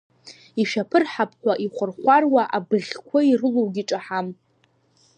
Ишәаԥырҳаԥуа, ихәархәаруа, абыӷьқәа ирылоугьы ҿаҳам.